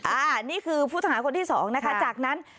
อ่านี่คือผู้ถ้าหาคนที่๒นะคะจากนั้น